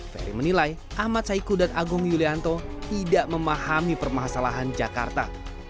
ferry menilai ahmad saiku dan agung yulianto tidak memahami permasalahan jakarta